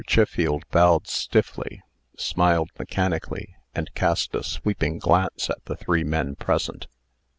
Chiffield bowed stiffly, smiled mechanically, and cast a sweeping glance at the three men present.